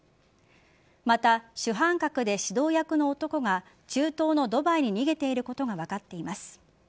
また、主犯格で指導役の男が中東のドバイに逃げていることが分かっています。